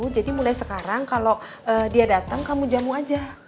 jadi mulai sekarang kalau dia dateng kamu jamu aja